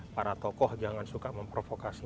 para tokoh jangan suka memprovokasi